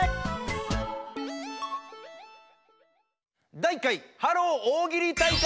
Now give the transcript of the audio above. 第１回ハロー大喜利大会！